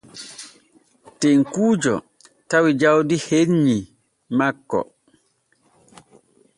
Tekkuujo tawi jawdi hennyi makko.